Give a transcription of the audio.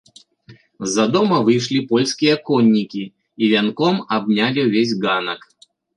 З-за дома выйшлі польскія коннікі і вянком абнялі ўвесь ганак.